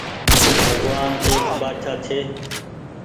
بگوآن ايڪ بآڇآ ڇي